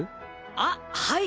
あっはい。